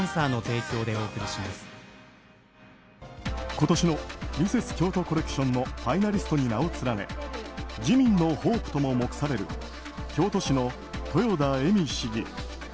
今年のミセス京都コレクションのファイナリストに名を連ね自民のホープとも目される京都市の豊田恵美市議。